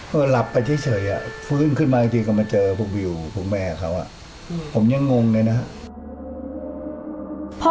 เออหลับไปเท่าเฉยอ่ะฟื้นขึ้นมาจริงจริงก็มาเจอพวกวิวพวกแม่เขาอ่ะอืมผมยังงงเลยนะครับ